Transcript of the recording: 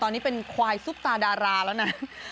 ตอนนี้เป็นควายซุปตาดาราแล้วนะ